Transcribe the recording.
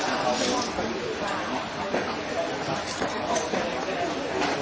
แล้วมันมีตัวอะไรกับสุดมันนะครับ